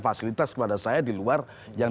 fasilitas kepada saya di luar yang